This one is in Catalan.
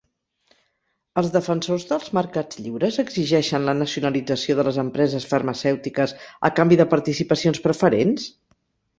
Els defensors dels mercats lliures exigeixen la nacionalització de les empreses farmacèutiques a canvi de participacions preferents?